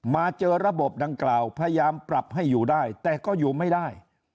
มาเจอระบบดังกล่าวพยายามปรับให้อยู่ได้แต่ก็อยู่ไม่ได้